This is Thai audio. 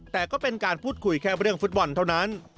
แต่ก็เป็นการพูดคุยแค่เรื่องฟุตบอลเท่านั้น